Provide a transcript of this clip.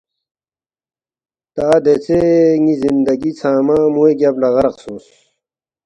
تا دیژے ن٘ی زندگی ژھنگمہ موے گیب لہ غرق سونگس